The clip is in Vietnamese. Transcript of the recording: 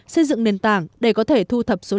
xây dựng nền tảng để có thể thu thập số liên lạc